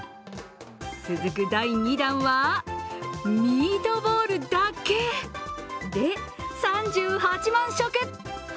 続く第２弾はミートボールだけで、３８万食。